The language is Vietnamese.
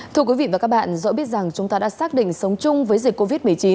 thưa quý vị và các bạn dẫu biết rằng chúng ta đã xác định sống chung với dịch covid một mươi chín